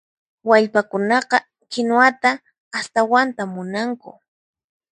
Wallpakunaqa kinuwata astawanta munanku.